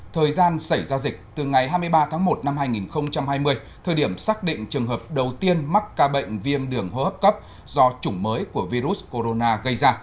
thời gian xảy ra dịch từ ngày hai mươi ba tháng một năm hai nghìn hai mươi thời điểm xác định trường hợp đầu tiên mắc ca bệnh viêm đường hô hấp cấp do chủng mới của virus corona gây ra